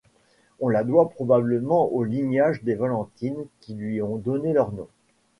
On la doit probablement au lignage des Valentine qui lui ont donné leur nom.